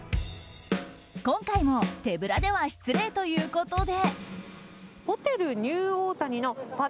今回も手ぶらでは失礼ということで。